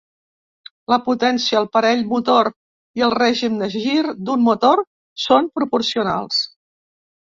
La potència, el parell motor i el règim de gir d’un motor són proporcionals.